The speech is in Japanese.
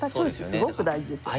すごく大事ですよね。